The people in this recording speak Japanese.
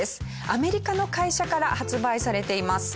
アメリカの会社から発売されています。